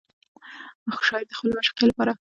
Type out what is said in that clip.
شاعر د خپلې معشوقې لپاره له طبیعت څخه مرسته غواړي.